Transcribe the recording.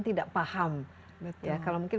tidak paham kalau mungkin